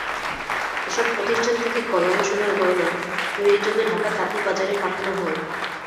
এসব প্রতিষ্ঠান থেকে গলানো সোনার গয়না তৈরির জন্য ঢাকার তাঁতীবাজারে পাঠানো হয়।